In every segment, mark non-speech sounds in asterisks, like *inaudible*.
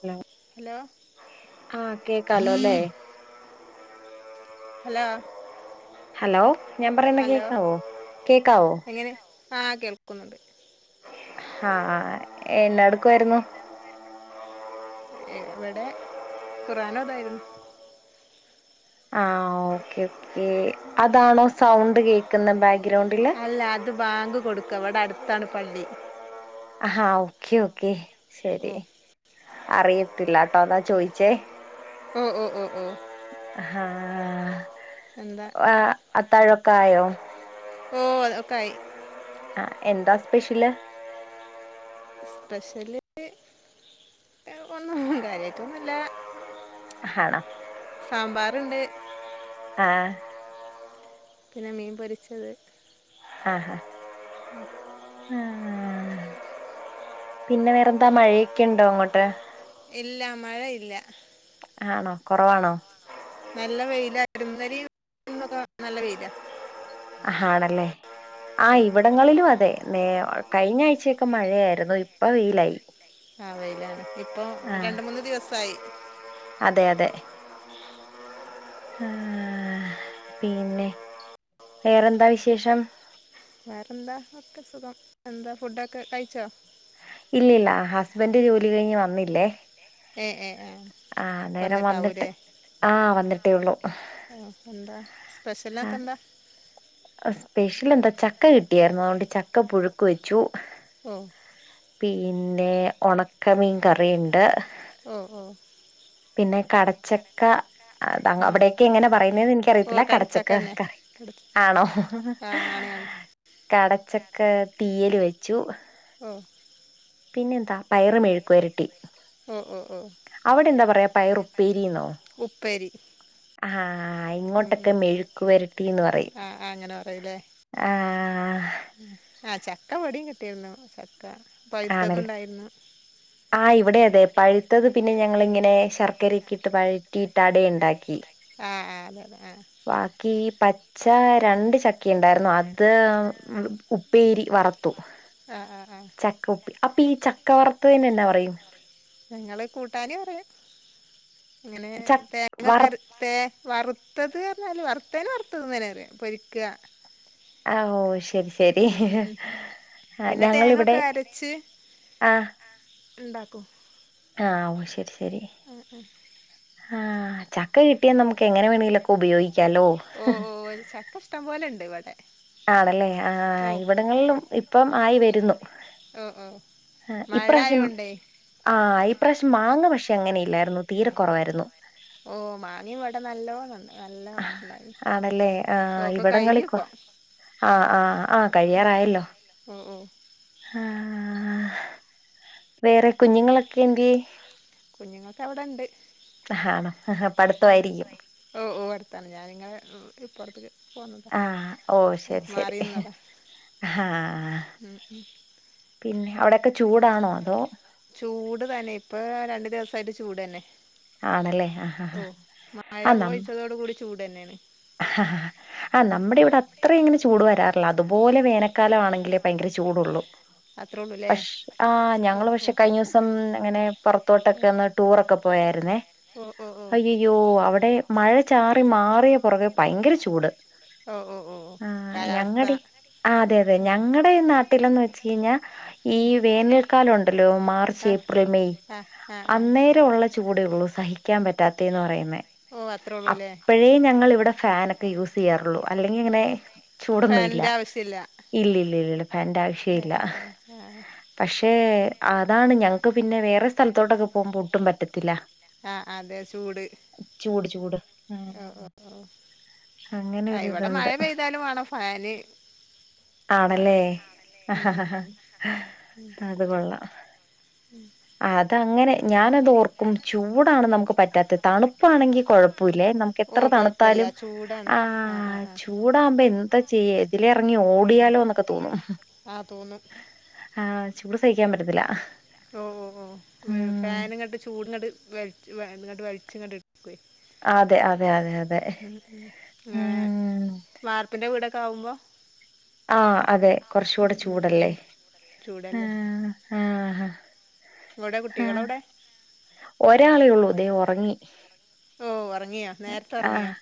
Hello hello ആഹ് കേക്കാലോ ല്ലേ ഹലോ ഹലോ ഞാൻ പറയുന്ന ഹലോ കേക്കാവോ കേക്കാവോ എങ്ങനെ ആ കേൾക്കുന്നുണ്ട് ആഹ് ആ ആ എന്നാ എടുക്കുവായിരുന്നു ഇവിടെ ഖുർആൻ ഓതായിരുന്നു ആഹ് ഓക്കെ ഓക്കെ അതാണോ സൗണ്ട് കേൾക്കുന്ന ബാക്ക്ഗ്രൗണ്ടില് അല്ല അത് ബാങ്ക് കൊടുക്ക ഇവിടെ അടുത്താണ് പള്ളി ആഹ് ഓക്കേ ഓക്കേ ശരി അറിയത്തില്ല ട്ടോ അതാ ചോയിച്ചേ ഉം ഉം ഉം ആഹ് എന്താ ആ ആത്താഴൊക്കെ ആയോ ഓഹ് അത് ഒക്കായി ആ എന്താ സ്പെഷ്യൽ സ്പെഷ്യൽ ഒന്നും കാര്യയിട്ടൊന്നില്ല അഹ് സാമ്പാറുണ്ട് ആഹ് പിന്നെ മീൻ പൊരിച്ചത് ആഹ് ആ പിന്നെ വേറെന്താ മഴയൊക്കെ ഉണ്ടോ അങ്ങോട്ട് ഇല്ല മഴ ഇല്ല ആണോ കുറവാണോ നല്ല വെയില ഇന്നലെയും ഇന്നുക്കെ നല്ല വെയില ആണല്ലേ ആ ഹ് ഇവിടങ്ങളിലും അതെ നേ കഴിഞ്ഞ ആഴ്ചയൊക്കെ മഴയായിരുന്നു ഇപ്പൊ വെയിലായി ആ വേയിലാണ് ഇപ്പൊ ആഹ് രണ്ട് മൂന്ന് ദിവസായി അതെ അതെ ആഹ് പിന്നെ വേറെന്താ വിശേഷം വേറെന്താ ഒക്കെ സുഖം എന്താ ഫുഡൊക്കെ കഴിച്ചോ ഇല്ലില്ല ഹസ്ബൻണ്ട് ജോലി കഴിഞ്ഞ് വന്നില്ലേ എഹ് ഏഹ് ഏഹ് ആഹ് നേരം വന്നിട്ട് ആഹ് വന്നിട്ടേ ഉള്ളൂ ഓ എന്താ സ്പെഷ്യലൊക്കെ ആഹ് എന്താ സ്പെഷ്യൽ എന്താ ചക്ക കിട്ടിയായിരുന്നു അതുകൊണ്ട് ചക്ക പുഴുക്ക് വെച്ചു ഓഹ് പിന്നെ ഉണക്കമീൻ കറിയുണ്ട് ഓഹ് ഓഹ് പിന്നെ കടച്ചക്ക ആ അവിടെക്കെ എങ്ങനെ പറയുന്നന്ന് ഓ എനിക്കറിയത്തില്ല കടച്ചക്ക തന്നെ കറി കട ആണോ ആ ആണ് ആണ് കടച്ചക്കെ തീയല് വെച്ചു ഓഹ് പിന്നെന്താ പയറ് മെഴുക്കു വരട്ടി ഉം ഉം അവിടെ എന്താ പറയാ പയറുപ് ഉപ്പേരി ആഹ് ഇങ്ങോട്ടൊക്കെ മെഴുക്ക്‌ വരട്ടിന്ന് പറയും ആഹ് ആഹ് അങ്ങനെ പറയില്ലേ ആഹ് ആഹ് ചക്ക ഇവിടെയും കിട്ടിരുന്നു ചക്ക ആണല്ലേ പഴുത്തതുണ്ടായിരുന്നു ആഹ് ഇവിടെയും അതെ പഴുത്തത് പിന്നെ ഞങ്ങൽ ഇങ്ങനെ ശർക്കരക്കെ ഇട്ട് വഴറ്റിയിട്ട് അട ഇണ്ടാക്കി ആഹ് അതെ അതെ ആഹ് ബാക്കി പ പച്ച രണ്ട് ചക്ക ഇണ്ടായിരുന്നു അത് ഉപ്പേരി വറത്തു ആഹ് ആഹ് ആഹ് ചക്കൊപ്പി അപ്പീ ചക്ക വാർത്തേൻ എന്നാ പറയും ഞങ്ങൾ കൂട്ടാൻറ്യും ങ്ങനെ ച വറ തേങ്ങക്കര് തെ വറുത്തത് ർഞ്ഞാല് വറുത്തേനെ വാർത്തത് ന്നന്നെ പറിയ പൊരിക്ക ആ ഓ ശരി ശരി ഉം ഉം ഉം ആ പിന്നെ ഞങ്ങളിവടെ ആഹ് അ ണ്ടാക്കും ആഹ് ഓ ശരി ശരി അഹ് അഹ് ആഹ് ചക്ക കിട്ടിയാ നമുക്ക് എങ്ങനെ വേണെലോ ഉപയോഗിക്കല്ലോ ഓ ഓ ത് ചക്ക ഇഷ്ടം പോലെണ്ട് ഇവടെ ആണല്ലേ ആ ഇവിടങ്ങളിലും ഇപ്പം ആയി വരുന്നു ഒ ഒ ആഹ് ഇപ്രാവശ്യം ആ ഇപ്രാവശ്യം മാങ്ങ പക്ഷ്യ അങ്ങനെയില്ലായിരുന്നു തീരെ കുറവായിരുന്നു. ഓ മാങ്ങിവടെ നല്ലോം ന്ന നല്ലോം ഇണ്ടായിൻ ആണല്ലേ ആണല്ലോ ആഹ് ഓക്കെ ഇവിടങ്ങളിൽ കൊ കഴിഞ്ഞുപ്പം ആഹ് ആഹ് ആഹ് കഴിയാറായല്ലോ ഓ ഓ ഹാ വേറെ കുഞ്ഞുങ്ങളക്കെന്തെ കുഞ്ഞുങ്ങൾക്കവ്ടണ്ട് ആ ഹാ ണോ അഹ് അമ്മടതോയി ഓ ഓ അടുത്താണ് ഞാൻ നിങ്ങഹ് ഇപ്പോർത്ക്ക് പോന്നത ആഹ് ഓ മാറീന്നത അ ഹാ ഉം ഉം പിന്നെ അവ്ടെക്കെ ചൂടാണോ അതോ ചൂട് തന്നെ ഇപ്പ രണ്ട് ദിവസായിട്ട് ചൂടന്നെ ആണല്ലേ ഓ മഴ പൊയിച്ചതോട് കൂടി ചൂടന്നെണ് അ ഹ ഹ ഹ അഹ് നമ്മടെ ഇവടെ അത് ത്രെയുംങ്ങനെ ചൂട് വരാറില്ല അതുപോലെ വേനക്കാലം ആണെങ്കിലെ ഭയങ്കര ചൂടുള്ളൂ അത്രേള്ളൂ ലെ പക്ഷ് ആഹ് ഞങ്ങൾ പക്ഷെ കഴിഞ്ഞോസം അങ്ങനെ പുറത്തോട്ടൊക്കെ ഒന്ന് ടൂറൊക്കെ പോയായിരു ന്നെ ഓ ഓ ഓ അയ്യയ്യോ അവടെ മഴ ചാറി മാറിയ പുറകെ ഭയങ്കര ചൂട് ഓ ഓ ഓ ആഹ് കാലാവസ്ഥ ആ ഞങ്ങടിം അതെ ആ അതെ അതെ ഞങ്ങടെ ഈ നാ ടിലൊന്നചയ്ഞ്ഞാൽ ഈ വേനൽ ക്കാലണ്ടല്ലോ മാർച്ച് ഏപ്രിൽ മെയ് അന്നേരം ഉള്ള ചൂടെള്ളൂ സഹിക്കാൻ പറ്റാതെന്ന് പറയുന്നെ ഓ അത്രേ ഉള്ളൂല്ലേ അപ്പഴെ ഞങ്ങൾവടെ ഫാന യൂസയ്യാറുള്ളൂ അല്ലെങ്കിങ്ങനെ ചൂടൊന്നും ഇല്ല ഫാനിൻ്റെ ആവശ്യമില്ല ഇല്ല്യ ഇല്ല്യ ഇല്ല ഫാന്റെ ആവശ് ഷേ ഏ ഇല്ല ഏ ആ പക്ഷേ അതാണ് ഞങ്ങക്ക് പിന്നെ വേറെ സ്ഥലത്തോട്ടൊക്കെ പോവ്മ്പോ ഒട്ടും പറ്റത്തില്ല ആഹ് അതെ സൂട് ചൂട് ചൂട് ഓ ഓ ഓ ആ ഇവടെ മഴ അങ്ങനൊരിതുണ്ട്. പെയ്താലുംവാണം ഫാന് ആണല്ലേ വേണം അ ഹ ഉം ഹ ഉം ഹ ഉം അത്‌ കൊള്ളാം ഉം അതങ്ങനെ ഞാനതൊർക്കും ചൂടാണ് നമുക്ക് പറ്റാത്തതണുപ്പാണെങ്കിൽ കൊഴ പുല്യ നമുക്ക് ഓ എത്ര തണുത്താലും കൊഴപ്പല്ല ചൂടാണ് ആ ആ ആഹ് ആ ചൂ ടാവുമ്പ എന്തചെയ്യ ഇത് ലെ എറങ്ങി ഓടിയാലോന്നൊക്കെ തോന്നും ആ തോന്നും ആഹ് ചൂട് സഹിക്കാൻ പറ്റത്തില്ല ഹ്ഹ ഓ ഓ ഓ വെ ഫാൻങ്ങട്ട് ചൂട്ങ്ങട്ട് വൽച് വെ ഇങ്ങട്ട് വൽച്ങ്ങട്ട് ഇട്ക്കുവേ അതെ അതെ അതെ അതെ ഉ മ്. വാർപ്പ്ന്റെ വീടക്കാവുമ്പോ ആഹ് അതെ കൊറച്ചൂടെ ചൂടല്ലേ ഹ ചൂടല്ലേ ഹ ഹ ഇവിടെ ആഹ് കുട്ടികളവിടെ ഒരാളേ ഉള്ളൂ ദേ ഒറങ്ങി. ഓഹ് ഒറങ്ങിയോ? ആഹ്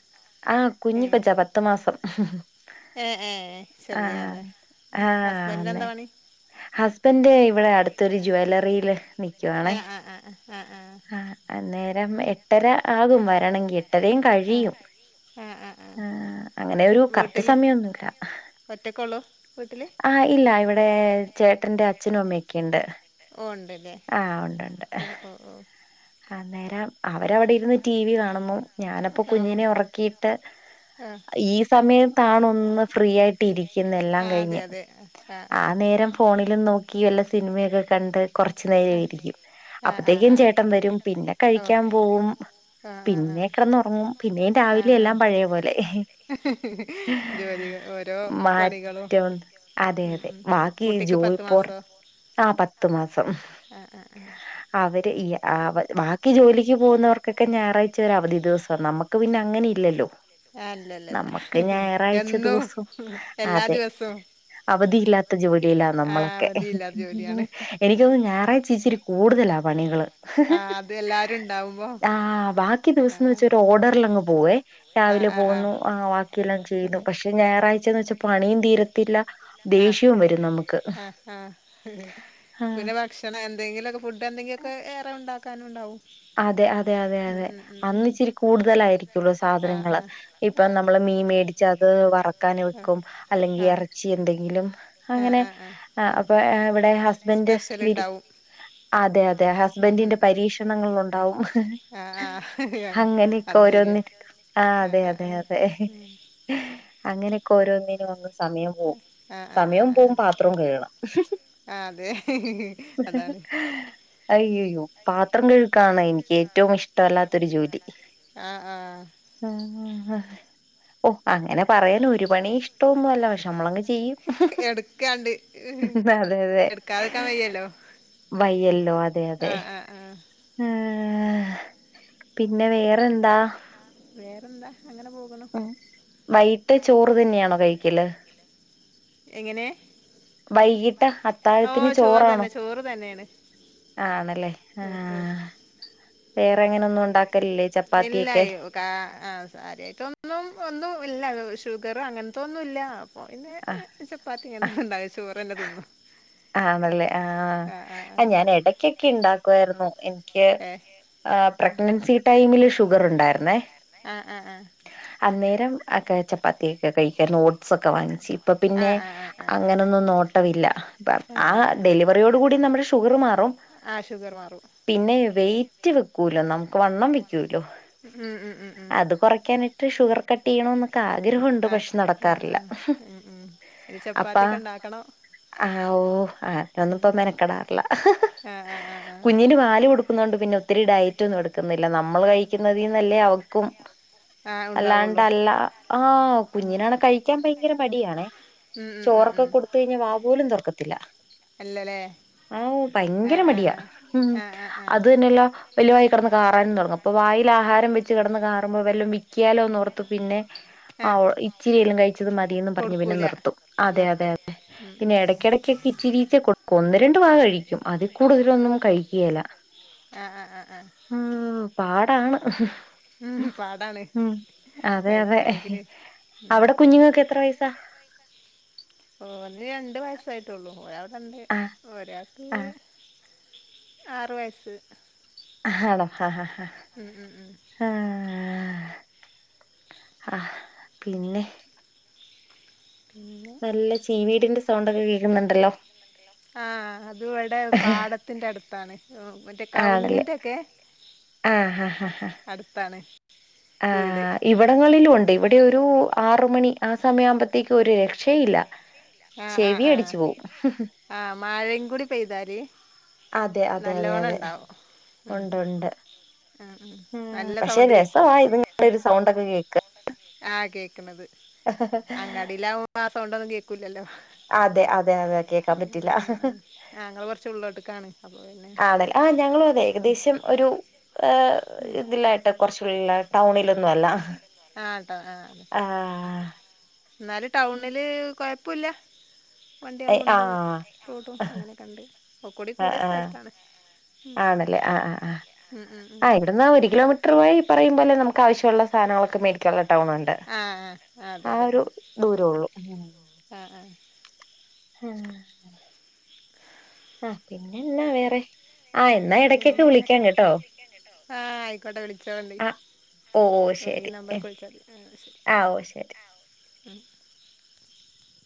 ആഹ് കുഞ്ഞിക്കൊച്ച പത്തു മാസം. ഏഹ് ഏഹ് ആഹ് ചെറിയതാ ആഹ് അന്നെ ഹസ്ബന്റിനെന്താ പണി? ഹസ്ബൻഡ് ഇവിടെ അടുത്തൊരു ജ്വല്ലറില് നി ക്കുവാണേ. ഏ ആ ആ ആ ആ ആഹ് അന്നേരം എട്ടര ആകും വരണെങ്കി. എട്ടരേം കഴിയും. ആ ആ ആ ആ ആഹ് അങ്ങനെ ഒരു കറക്റ്റ് വീട്ടിൽ സമയൊന്നുല്ല. ഒറ്റക്കുള്ളൂ വീട്ടിൽ ആഹ് ഇല്ല ഇവിടെ ചേട്ടന്റെ അച്ഛനും അമ്മയൊക്കെണ്ട്. ഒണ്ട്. ആഹ് ഒണ്ടോണ്ട്. അന്നേരം അവരവിടിരുന്ന് ടി വി കാണുന്നു ഞാനപ്പൊ ഓ ഓ കുഞ്ഞിനെ ഒറക്കിട്ട് ആ ഈ സമയത്താണൊന്ന് ഫ്രീയായിട്ടിരിക്കുന്നെ എല്ലാം ആ അതെ കഴിഞ്ഞ്. അതെ ആ നേരം ഫോണിലും നോക്കി വെല്ല സിനിമയെക്ക കണ്ട് ഇച്ചിര് നേരോരിക്കും. ആ അപ്പത്തേക്കും ആ ചേട്ടൻ വരും പിന്നെ കഴിക്കാൻ പോവും പിന്നെ കെടന്നൊറങ്ങും. പിന്നേം പിന്നെ രാവിലെയെല്ലാം പഴെപോലെ. പോലെ ജോലികൾ ഓരോ പണികളും മറ്റൊ ഉം അതെയതെ ഉം മ ഈ കുട്ടിക്ക് പത്ത് ജോയിപ്പോർ മാസോ ആഹ് പത്ത് മാസ സം ആ ആ ആ അവര് ഈ അവ ബാക്കി ജോലിക്ക് പോകുന്നവർക്കെക്കെ ഞാറാഴ്ച ച ഒരു അവധി ദിവസാ. നമ്മക്ക് പിന്നെ അങ്ങനെ ഇല്ലല്ലോ. ആ അല്ലല്ലല്ല നമ്മക്ക് ഞായറാഴ്ച എന്നും ദിവസം എല്ലാ അതെ ദിവസവും അവധിയില്ലാ ത്ത ജോലിയിലാ ആ നമ്മളൊക്കെ. അവധിയില്ലാത്ത ജോലിയാണ് എനിക്ക് തോനുന്നു ഞായറാഴ്ച ഇച്ചിരി കൂടുതലാ പണികള്. ആ *unintelligible* അത് എല്ലാരും ഉണ്ടാവുമ്പോ ആഹ് ബാക്കി ആ ദിവസംന്നച്ച ഒരു ഓഡറിലങ്ങ് പോവേ ആ ആ രാവിലെ ആ ആ പോകുന്നു ആഹ് ബാക്കിയെല്ലാം ചെയ്യുന്നു. അതെ പക്ഷെ ഞായറാഴ്ചെന്ന് വെച്ചാ പണിയും തീരത്തില്ല ആ ദേഷ്യോം വരും നമ്മക്ക്. ആഹ്, പിന്നെ വേ ഭക്ഷണം എന്തെങ്കിലൊക്കെ ഫുഡെന്തെങ്കിലൊക്കെ ഏറെ ഉണ്ടാക്കാനൊണ്ടാവും. അതെ അതെ അതെ അതെ അന്നിച്ചിരി കൂടുതലായിരി ക്കുള്ളു ആഹ് സാധനങ്ങള്. ഇപ്പ ആഹ് നമ്മള് മീൻ മേടിച്ച അത് വറക്കാനൊടുക്കും അല്ലെങ്കി ആഹ് എറ ച്ചി എന്തെങ്കിലും ആഹ് അങ്ങനെ ആഹ് ആഹ് ആഹ് ഉം അപ്പ ഇവിടെ ഹസ്ബന്റ് സ്പെഷ്യൽ ബിരി ഉണ്ടാവും അതെ അതെ ഹസ്ബന്റിന്റെ ഉം പരീക്ഷണങ്ങളൊണ്ടാവും. ആഹ് ആഹ് അത് ശരിയാ അങ്ങനെയൊക്കൊരോന്ന് ആഹ് അതെ അതെ അതെ. അങ്ങനെക്കോരോന്നിനും വന്ന് സമയം പോവും. ആഹ് ആഹ് സമയോം ആഹ് ആഹ് പോവും പാത്രോം കഴ്കണം. ആഹ് അതെ. അതാണ് അയ്യയ്യോ പാത്രം കഴ്‌ക്കാണ് എനിക്കേറ്റവും ഇഷ്ടമല്ലാത്തൊരു ജോലി. ആഹ് ആഹ് ആഹ്, ഓഹ് അങ്ങനെ പറയണു ഒരുപണി ഇഷ്ട്ടോന്നു അല്ല പക്ഷെ നമ്മളങ്ങ് ചെ ചെയ്യും. *unintelligible* എടുക്കാണ്ട് അതെ അതെ എടുക്കാതെക്കാൻ വയ്യല്ലോ വയ്യല്ലോ അതെ അതെ. ആഹ് ആഹ് ആഹ് ആഹ് പിന്നെ വേറെന്താ? വേറെന്താ, അങ്ങനെ പോകണു. ഉം. വൈകിട്ട് ചോറ് തന്നെയാണോ കഴിക്കല്? എങ്ങനെ? വൈകിട്ട് അ ഓ അത്താഴത്തിന് ചോറ് ചോറാണോ തന്നെ ചോറ് തന്നെയാണ് ആണ്ല്ലേ ഓ ഓ ആഹ് വേറെ അങ്ങനൊന്നു ഉണ്ടാക്കലില്ലേ ചപ്പാത്തിയൊക്കെ ഇല്ലയോ ക്കാ അഹ് കാര്യായിട്ടൊന്നും ഒന്നും ഇല്ല ഷുഗറ് അങ്ങൻത്തെ ഒന്നും ഇല്ല ഓഹ് ആയോണ്ട് ആ പിന്നെ ചപ്പാത്തി അങ്ങനെ ഒന്നും ഉണ്ടാക്കലില്ല ചോറ് തന്നെ തിന്നും ആണല്ലേ ആഹ് ആഹ് ആ ആ ആ ആ അഹ് ഞാൻ എടക്കൊക്കെ ഇണ്ടാക്കുവായിരുന്നു എനി ക്ക് ഏ എഹ് എനിക്ക് ഏ പ്രഗ്നൻസി ടൈമില് ഷുഗർ ഉണ്ടായിരുന്നേ ആഹ് ആഹ് ആഹ് അന്നേരം ഒക്കെ ചപ്പാത്തി ഒക്കെ കഴിക്കുവാഴ്രുന്നു ഓഡ്സ് ഒക്കെ വാങ്ങിച്ച് ഇപ്പൊ പിന്നെ ആഹ് ആഹ് ആഹ് ആഹ് ആഹ് അങ്ങനൊന്നും നോട്ടവില്ല ആ ഡെലി വറിയോടു കൂടി നമ്മടെ ഷുഗറ് മാറും ആഹ് ഷുഗറ് മാറും പിന്നെ വെയ്റ്റ് വെക്കൂല്ലോ നമുക്ക് വണ്ണം വെയ്ക്കൂലോ ഉം ഉം ഉം ഉം അത് കൊറക്കാനെ ക്കെ ഷുഗർ കട്ട് ചെയ്യണോന്നൊക്കെ ആഗ്രഹവുണ്ട് ആ പക്ഷെ ആ നടക്കാറില്ല ആ അപ്പാ ആക്കണം ആഹ് ഓഹ് ആഹ് പ്പെന്നും ഇപ്പം മെനക്കെടാറില്ല ആ ആ ആ ആ കുഞ്ഞിന് പാല് കൊടു ക്ക്ന്നോണ്ട് പിന്നെ ഒത്തിരി ഡയറ്റ് ഒന്നും എട്ക്ക്ന്നില്ല നമ്മള് കഴിക്കുന്നതീന്നല്ലേ അവക്കും ആ ഉണ്ടാവുള്ളൂ അല്ലാണ്ടല്ല ആഹ് കുഞ്ഞിനാണെ കഴിക്കാൻ ഭയങ്കര മടിയാണേ ഉം ഉം ഉം ത്ത് കഴിഞ്ഞാ വാ പോലും തൊറക്കത്തില്ല അല്ലല്ലേ ആവു ആ ഭയങ്കര ആ മടിയാ ആ ഉം ആ ആ ആ അത് തന്നെ അല്ല വലിയ വായി കെടന്ന് കാറാനും തൊടങ്ങും അപ്പൊ വായിൽ ആഹാരം വെച്ച് കിടന്ന് കാറുമ്പോൾ വല്ലോം വിക്കിയാലോന്നോർത്ത് പിന്നെ ആ ആഹ് വ് ഇച്ചിരിയേലും കഴിച്ചത് മതീയെന്നും പറഞ്ഞ് പിന്നെ കൊടുക്കൂല നിർത്തും അതെ അതെ നിർത്തും അതെ ഉം ഉം പിന്നെ ഉം എടയ്ക്കെടെയ്ക്കെക്കെ ഇച്ചിരീച്ചെ കൊട്ക്കും ഒന്ന് രണ്ട് വാ കഴിക്കും അതിൽ കൂടുതലൊന്നും കഴിക്കിയേല്ല ആഹ് ആഹ് ആഹ് ആഹ് ഉം പാടാണ് ഉം പാടാണ് ഉം അതെ അതെ കഴിക്കണെങ്കില് ഉം അവിടെ കുഞ്ഞുങ്ങൾക്ക് എത്ര വയസ്സാ ഓന് രണ്ട് വയസായിട്ടൊള്ളു ഒരാൾക്കു രണ്ട് ആഹ് ഒരാൾക്ക് ആറ് വയസ്സ് ആണോ ആഹ് ആഹ് ഉം ഉം ഉം ആഹ് അഹ് പിന്നെ പിന്നെ നല്ല ചീവീടിന്റെ സൗണ്ട് ഒക്കെ കേൾക്കുന്നുണ്ടല്ലോ ആഹ് അത് ഇവടെ പാടത്തിന്റെ അട്ത്താണ് ഉം മറ്റേ ആണല്ലേ കവുങ്ങിന്റെ ഒക്കെ ആഹ് അട്ത്താണ് ആഹ് ഇവടങ്ങളിലും ഉണ്ട് ഇവ ടെ ഒരു ആറ് മണി ആ സമയാവുമ്പത്തേക്കും ഒരു രക്ഷയില്ല ചെവി അടിച്ചു പോവും ആഹ് മഴയിം കൂടി പെയ്താല് അതെ അതെ അതെ നല്ലോണം അതെ ഉണ്ടാവും ഉം ഉണ്ട് ഉണ്ട് ഉം ഉം നല്ല പക്ഷെ സൗണ്ട് രസവാ ഇതിങ്ങടെ ഒരു സൗണ്ട് ഒക്കെ കേക്കാൻ ആഹ് കേക്ക്ണത് അങ്ങാടിലാവുമ്പൊ ആ സൗണ്ടൊന്നും കേക്കൂലല്ലോ അതെ അതെ അതെ കേക്കാൻ ഉം ഉം പറ്റില്ല ഉം ആഹ് ഞങ്ങള് കൊറച്ച് ഉള്ളോട്ട്ക്കാണ് അപ്പൊ പിന്നെ ആഹ് ഞങ്ങളും അതെ ഏകദേശം ഒരു ഇതിലായി കൊർച്ച് *unintelligible* ടൗണിലൊന്നും അല്ല ആഹ് ട്ടോ ആഹ് അതെ ആഹ് ന്നാലും ടൗണില് കൊഴപ്പുല്ല ആഹ് വണ്ടിയളുംണ്ട്. ആഹ് റോഡും അങ്ങനെ കണ്ട് ഒക്കെ കൂടി കൂടിയ ആഹ് സ്ഥലത്താണ് ഉം ആണല്ലേ ആഹ് ആഹ് ആഹ ഉം ഉം ഉം ആ എന്നാ ഒരു കിലോമീറ്റർ പോയി ഈ പറയും പോലെ നമുക്ക് ആശ്യമുള്ള സാനങ്ങളൊക്കെ മേ ടിക്കാള്ള ടൗണുണ്ട് ആഹ് ആഹ് ആ ഒരു ദൂരോ ഉള്ളൂ അഹ് ആഹ് ഉം ഉം പിന്നെ എന്നാ വേറെ ആഹ് എന്ന പിന്നെ ആഹ് ആയിക്കോട്ടെ വിളിച്ചോണ്ടി ആ ഓ ഓഹ് ഈ ശരി എ, നമ്പർക്ക് വിളിച്ചാതി ആ ഓ ശരി